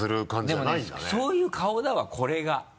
でもねそういう顔だわこれが。